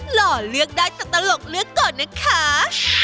หล่อเลือกได้แต่ตลกเลือกก่อนนะคะ